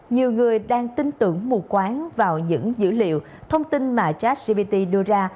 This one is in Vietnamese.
nhiều người đang tin tưởng mù quán vào những dữ liệu thông tin mà jcpt đưa ra